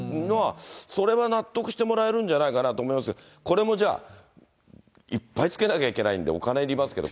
それは納得してもらえるんじゃないかなと思いますけど、これもじゃあ、いっぱい付けなきゃいけないんでお金いりますけど。